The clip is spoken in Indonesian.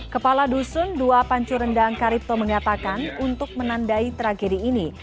kepala dusun dua pancu rendang karipto mengatakan untuk menandai tragedi ini